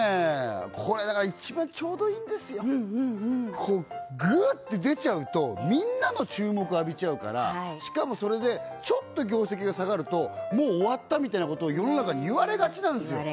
これだから一番ちょうどいいんですよグッて出ちゃうとみんなの注目浴びちゃうからしかもそれでちょっと業績が下がると「もう終わった」みたいなことを世の中に言われがちなんですよ